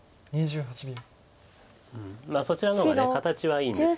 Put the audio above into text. そちらの方が形はいいんです。